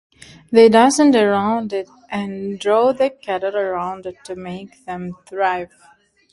They danced around it and drove the cattle around it to make them thrive.